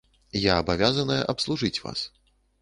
Я абавязаная абслужыць вас.